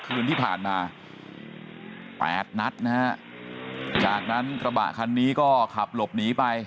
คืนที่ผ่านมาแปดนัดนะฮะจากนั้นกระบะคันนี้ก็ขับหลบหนีไป